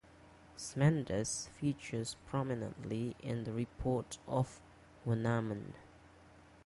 Smendes features prominently in the Report of Wenamun.